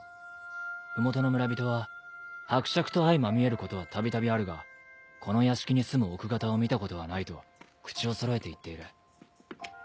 麓の村人は伯爵と相まみえることは度々あるがこの屋敷に住む奥方を見たことはないと口をそろえて言っている。